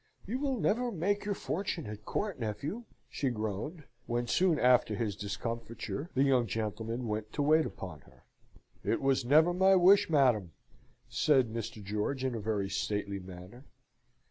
"You will never make your fortune at court, nephew!" she groaned, when, soon after his discomfiture, the young gentleman went to wait upon her. "It was never my wish, madam," said Mr. George, in a very stately manner.